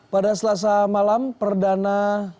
pada selasa malam perdana